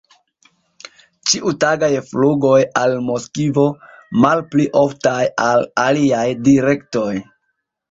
Ĉiutagaj flugoj al Moskvo, malpli oftaj al aliaj direktoj.